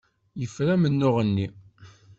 Yefra amennuɣ-nni.